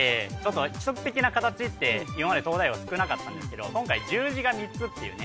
規則的な形って今まで「東大王」少なかったんですけど今回十字が３つっていうね